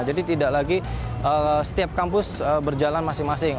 jadi tidak lagi setiap kampus berjalan masing masing